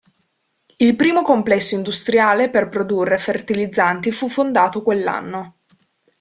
Il primo complesso industriale per produrre fertilizzanti fu fondato quell'anno.